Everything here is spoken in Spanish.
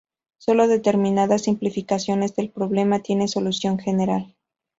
Solo determinadas simplificaciones del problema tienen solución general.